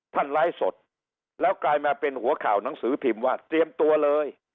ไลฟ์สดแล้วกลายมาเป็นหัวข่าวหนังสือพิมพ์ว่าเตรียมตัวเลย